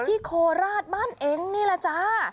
โคราชบ้านเองนี่แหละจ้า